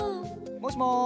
もしもし。